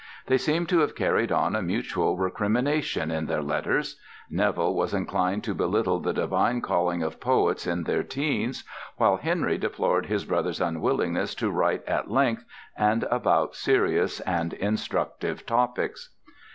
They seem to have carried on a mutual recrimination in their letters: Neville was inclined to belittle the divine calling of poets in their teens; while Henry deplored his brother's unwillingness to write at length and upon serious and "instructive" topics.